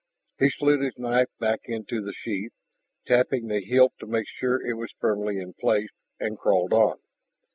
He slid his knife back into the sheath, tapped the hilt to make sure it was firmly in place, and crawled on.